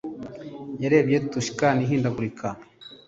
Yarebye Tuscans ihindagurika